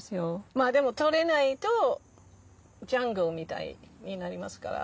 まあでも取らないとジャングルみたいになりますから。